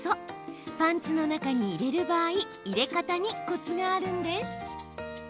パンツの中に入れる場合入れ方にコツがあるんです。